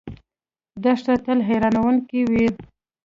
دښته تل حیرانونکې وي.